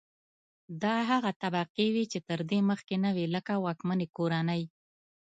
دا هغه طبقې وې چې تر دې مخکې نه وې لکه واکمنې کورنۍ.